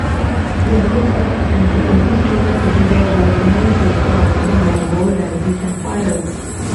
Yaroslav attempted to restore the cities of Vladimir-Suzdal after the Mongol ravages and fires.